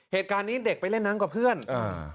เหตุการณ์นี้เด็กไปเล่นน้ำกับเพื่อนอ่า